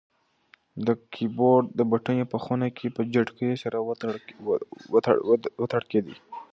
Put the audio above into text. د کیبورډ بټنې په خونه کې په چټکۍ سره وتړکېدې.